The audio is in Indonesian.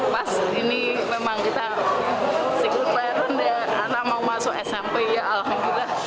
pas ini memang kita sekutu peran dan anak mau masuk smp ya alhamdulillah